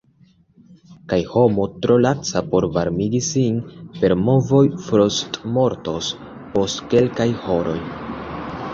Kaj homo tro laca por varmigi sin per movoj frostmortos post kelkaj horoj.